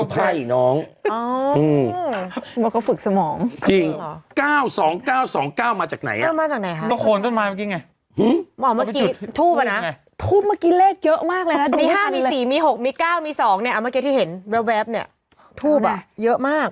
พี่เลขเต็มเลยมีแต่เลข๖